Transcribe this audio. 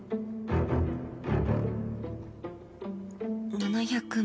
７００万。